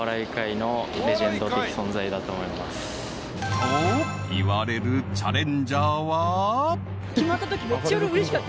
［と言われるチャレンジャーは］